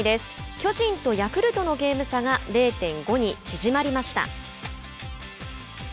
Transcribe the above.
巨人とヤクルトのゲーム差が０．５に縮まりました。